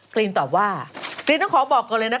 กรีนตอบว่ากรีนต้องขอบอกก่อนเลยนะคะ